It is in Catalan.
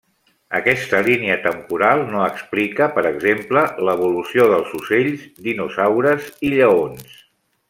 Aquesta línia temporal no explica, per exemple, l'evolució dels ocells, dinosaures i lleons.